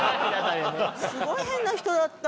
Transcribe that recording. すごい変な人だった。